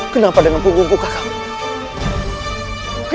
terima kasih kakak